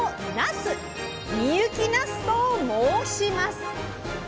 「深雪なす」と申します。